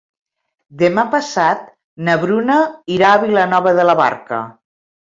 Demà passat na Bruna irà a Vilanova de la Barca.